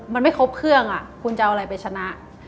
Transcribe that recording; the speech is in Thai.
มันไม่ครบเครื่องคุณจะเอาอะไรไปชนะ